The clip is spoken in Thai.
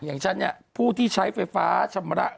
อย่างฉันเนี่ยผู้ที่ใช้ไฟฟ้าชำระ